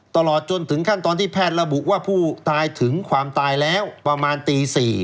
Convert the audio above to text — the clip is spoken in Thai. ตลอดจนถึงขั้นตอนที่แพทย์ระบุว่าผู้ตายถึงความตายแล้วประมาณตี๔